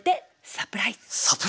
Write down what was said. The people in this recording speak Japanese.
サプライズ！